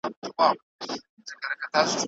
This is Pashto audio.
ترتيب د ښوونکي له خوا کيږي.